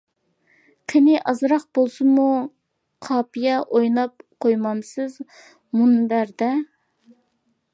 قېنى ئازراق بولسىمۇ قاپىيە ئويناپ قويمامسىز مۇنبەردە!